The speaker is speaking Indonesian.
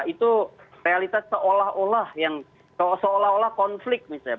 itu realitas seolah olah konflik misalnya